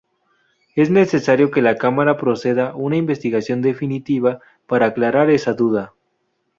Es necesario que la cámara proceda Una investigación definitiva para aclarar esa duda.